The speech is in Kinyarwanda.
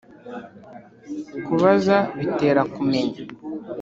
kubaza bitera kumenya